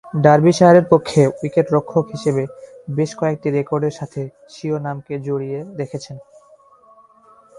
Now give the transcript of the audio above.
ডার্বিশায়ারের পক্ষে উইকেট-রক্ষক হিসেবে বেশ কয়েকটি রেকর্ডের সাথে স্বীয় নামকে জড়িয়ে রেখেছেন।